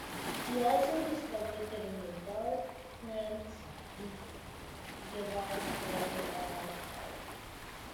He also discovered that, in the dark, plants give off carbon dioxide.